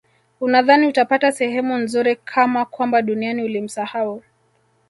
unadhani utapata sehemu nzuri kama kwamba duniani ulimsahau